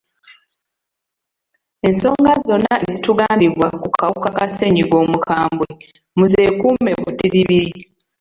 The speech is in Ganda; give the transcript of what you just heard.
Ensonga zonna ezitugambibwa ku kawuka ka ssenyiga omukambwe mu zeekuume butiribiri.